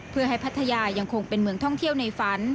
เพื่อให้พัทยายังคงเป็นเมืองท่องเที่ยวในฝัน